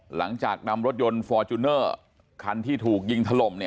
หลังจากนำรถยนต์ฟอร์จูเนอร์คันที่ถูกยิงถล่ม